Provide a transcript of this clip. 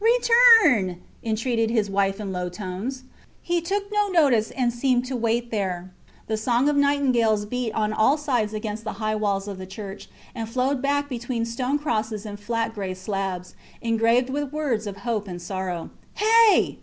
Return! entreated his wife in low tones. He took no notice, and seemed to wait there. The song of nightingales beat on all sides against the high walls of the church, and flowed back between stone crosses and flat gray slabs, engraved with words of hope and sorrow. Hey!